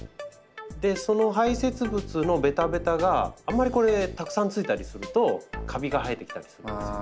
その排せつ物のベタベタがあんまりこれたくさんついたりするとカビが生えてきたりするんですよ。